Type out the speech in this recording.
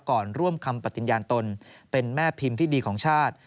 ก่อนร่วมคำปฏิญาณตนเป็นแม่พิมพ์ที่ดีของชาติ